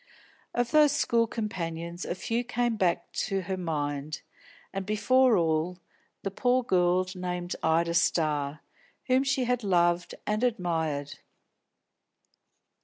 Of those school companions a few came back to her mind, and, before all, the poor girl named Ida Starr, whom she had loved and admired.